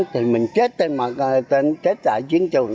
thì mình chết tại chiến trường